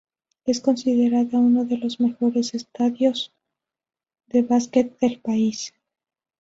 Es considerada uno de los mejores estadios de básquet del país.